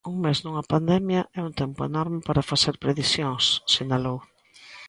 Un mes nunha pandemia é un tempo enorme para facer predicións, sinalou.